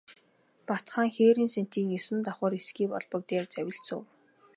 Бат хаан хээрийн сэнтий есөн давхар эсгий олбог дээр завилж суув.